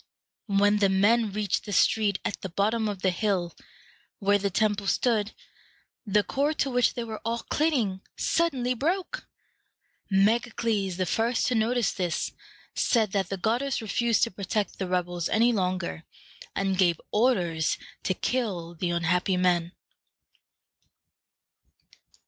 When the men reached the street at the bottom of the hill where the temple stood, the cord to which they were all clinging suddenly broke. Megacles, the first to notice this, said that the goddess refused to protect the rebels any longer, and gave orders to kill the unhappy men.